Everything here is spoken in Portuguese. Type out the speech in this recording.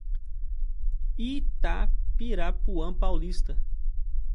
Itapirapuã Paulista